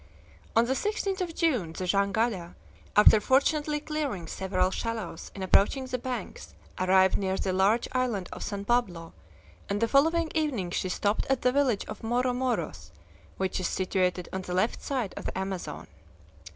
On the 16th of June the jangada, after fortunately clearing several shallows in approaching the banks, arrived near the large island of San Pablo, and the following evening she stopped at the village of Moromoros, which is situated on the left side of the Amazon.